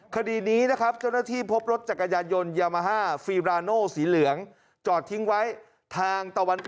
คดีนี้นะครับเจ้าหน้าที่พบรถจักรยานยนต์ยามาฮาฟีราโนสีเหลือง